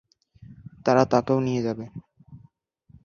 তারা তাকেও নিয়ে যাবে।